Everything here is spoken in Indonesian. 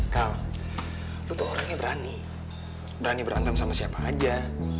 kau tuh orangnya berani berani berantem sama siapa aja